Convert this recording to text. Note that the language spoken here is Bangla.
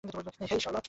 হেই, শার্লোট।